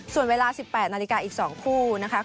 ส่วนเวลา๑๘นาฬิกาอีก๒คู่นะคะ